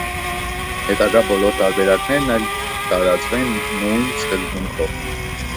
Յետագայ բոլոր տարբերակներն ալ կը տարածուին նոյն սկզբունքներով։